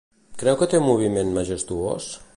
Creu que té un moviment majestuós?